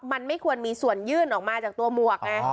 มันไม่ควรมีส่วนยื่นออกมาจากตัวหมวกไง